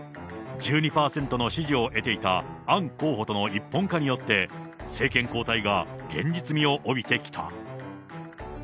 １２％の支持を得ていたアン候補との一本化によって、政権交代が現実味を帯びてきた。